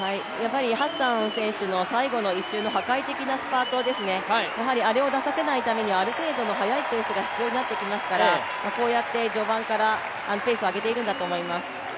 ハッサン選手のラスト１周の破壊的なスパートですね、やはりあれを出させないためにはある程度の速いペースが必要になってきますからこうやって序盤からペースを上げているんだと思います。